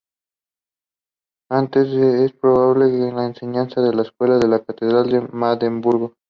Antes, es probable que enseñara en la escuela de la catedral de Magdeburgo.